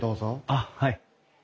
あっはい。